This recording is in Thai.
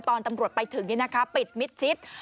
ตอนตำรวจไปถึงนี่นะคะปิดมิดชิด